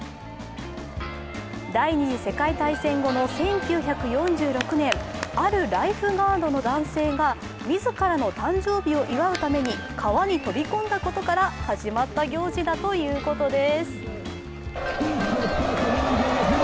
第二次世界大戦後の１９４６年、あるライフガードの男性が自らの誕生日を祝うために川に飛び込んだことから始まった行事だということです。